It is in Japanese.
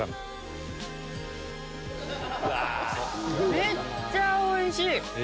めっちゃおいしい！